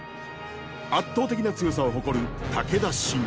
圧倒的な強さを誇る武田信玄。